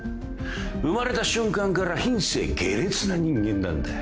生まれた瞬間から品性下劣な人間なんだ。